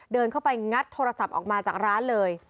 เดินเข้าไปงัดโทรศัพท์ออกมาจากร้านเลย